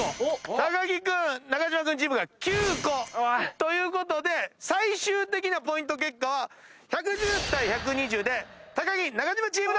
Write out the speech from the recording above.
木君・中島君チームが９個ということで最終的なポイント結果は１１０対１２０で木・中島チームの勝利！